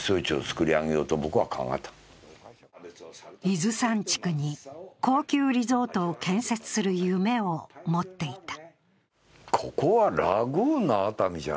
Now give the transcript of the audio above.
伊豆山地区に高級リゾートを建設する夢を持っていた。